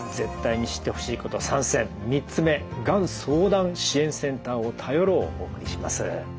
３つ目がん相談支援センターを頼ろうをお送りします。